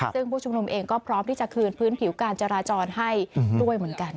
ซึ่งผู้ชุมนุมเองก็พร้อมที่จะคืนพื้นผิวการจราจรให้ด้วยเหมือนกัน